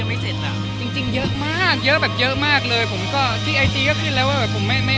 เอิ่มจริงผมสงสัยลูกค้าใช่ใช่